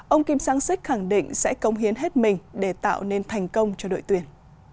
ông kim sang sik khẳng định sẽ cống hiến hết mình để tạo nên thành công cho đội tuyển